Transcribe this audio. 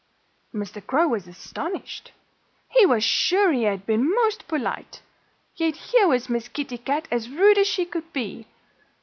Mr. Crow was astonished. He was sure he had been most polite. Yet here was Miss Kitty Cat as rude as she could be!